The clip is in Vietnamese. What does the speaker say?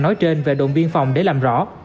nói trên về độn biên phòng để làm rõ